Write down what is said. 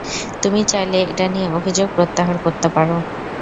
তুমি চাইলে এটা নিয়ে অভিযোগ প্রত্যাহার করতে পারো।